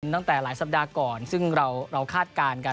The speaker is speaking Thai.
ตั้งแต่หลายสัปดาห์ก่อนซึ่งเราคาดการณ์กัน